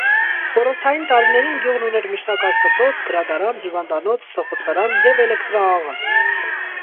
Խորհրդային տարիներին գյուղն ուներ միջնակարգ դպրոց, գրադարան, հիվանդանոց, սղոցարան և էլեկտրաաղաց։